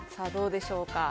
どうでしょうか。